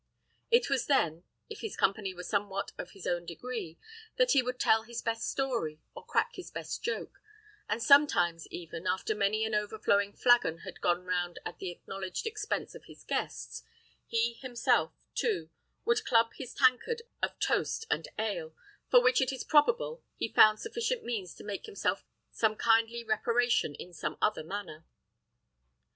It was then, if his company were somewhat of his own degree, that he would tell his best story, or crack his best joke; and sometimes even, after many an overflowing flagon had gone round at the acknowledged expense of his guests, he himself, too, would club his tankard of toast and ale, for which, it is probable, he found sufficient means to make himself kindly reparation in some other manner.